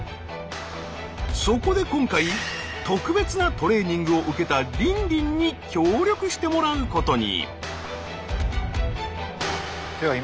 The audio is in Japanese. そこで今回特別なトレーニングを受けたリンリンに協力してもらうことに。